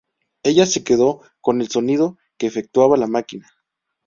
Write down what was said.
Ella se quedó con el sonido que efectuaba la máquina.